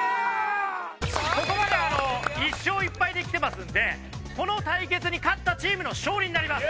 ここまで１勝１敗できてますのでこの対決に勝ったチームの勝利になります！